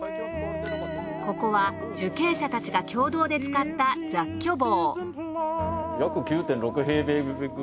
ここは受刑者たちが共同で使った雑居房。